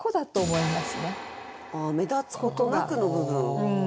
ああ「目立つことなく」の部分。